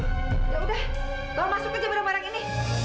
yaudah bawa masuk aja barang barang ini